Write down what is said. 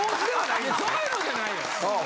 いやそういうのじゃないよ。